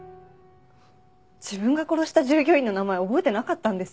自分が殺した従業員の名前覚えてなかったんですよ。